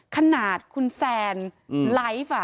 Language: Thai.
ขนาดคุณแซนไลฟ์